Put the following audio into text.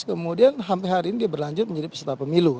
kemudian sampai hari ini dia berlanjut menjadi peserta pemilu